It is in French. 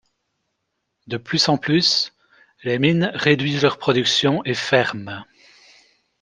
De plus en plus les mines réduisent leur production et ferment.